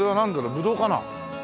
ブドウかな？